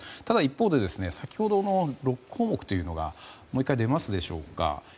ただ一方で先ほどの６項目というのがもう１回出ますでしょうか。